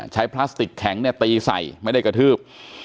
พลาสติกแข็งเนี่ยตีใส่ไม่ได้กระทืบ